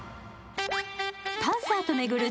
パンサーと巡る